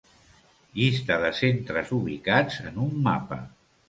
Llista de centres ubicats en un mapa.